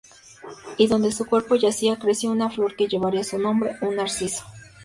Y donde su cuerpo yacía, creció una flor que llevaría su nombre: un narciso.